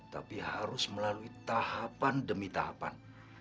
tapi harus melalui tahapan demi tahapan